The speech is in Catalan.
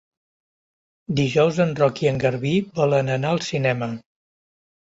Dijous en Roc i en Garbí volen anar al cinema.